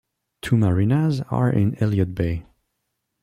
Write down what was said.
Two marinas are in Elliott Bay.